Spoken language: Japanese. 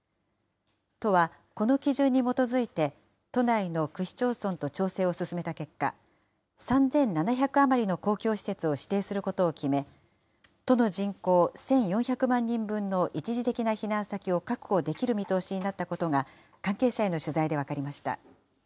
都はこの基準に基づいて都内の区市町村と調整を進めた結果、３７００余りの公共施設を指定することを決め、都の人口、１４００万人分の一時的な避難先を確保できる見通しになったことが、関係者への取材で分かりました。